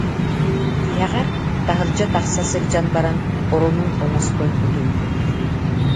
Тиһэҕэр, таһырдьа тахса сылдьан баран, оронун оҥостон утуйбут